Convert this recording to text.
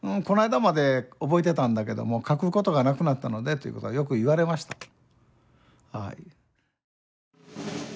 この間まで覚えてたんだけども書くことがなくなったのでということはよく言われました。